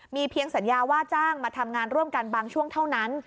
เพียงสัญญาว่าจ้างมาทำงานร่วมกันบางช่วงเท่านั้น